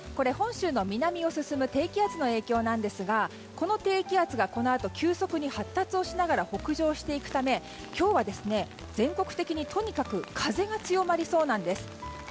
本州の南を進む低気圧の影響ですがこの低気圧がこのあと急速に発達しながら北上していくため、今日は全国的にとにかく風が強まりそうなんです。